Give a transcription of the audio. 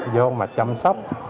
vô mà chăm sóc